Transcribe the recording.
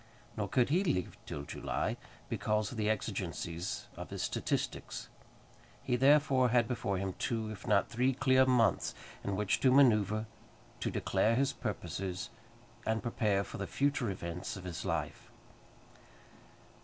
Nor could he leave till July, because of the exigencies of his statistics. He therefore had before him two, if not three, clear months in which to manoeuvre, to declare his purposes, and prepare for the future events of his life.